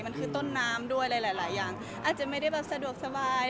มันคือต้นน้ำด้วยอะไรหลายอย่างอาจจะไม่ได้แบบสะดวกสบาย